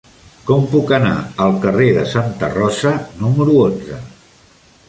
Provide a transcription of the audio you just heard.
Com puc anar al carrer de Santa Rosa número onze?